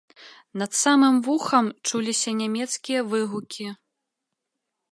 Над самым вухам чуліся нямецкія выгукі.